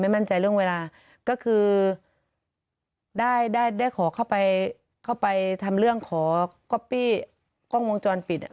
ไม่มั่นใจเรื่องเวลาก็คือได้ขอเข้าไปทำเรื่องขอก๊อปปี้กล้องวงจรปิด